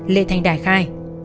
lê thanh đại khai